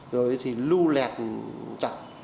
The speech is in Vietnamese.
rồi thì lưu lẹt chặt